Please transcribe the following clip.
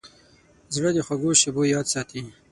زړه د خوږو شیبو یاد ساتي.